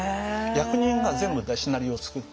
役人が全部シナリオを作って。